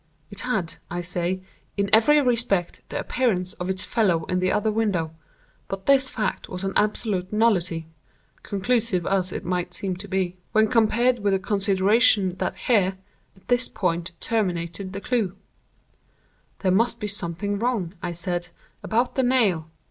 _ It had, I say, in every respect, the appearance of its fellow in the other window; but this fact was an absolute nullity (conclusive us it might seem to be) when compared with the consideration that here, at this point, terminated the clew. 'There must be something wrong,' I said, 'about the nail.